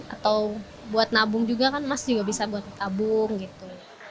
atau buat nabung juga kan mas juga bisa buat tabung gitu